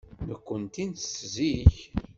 Nekkenti nettett zik.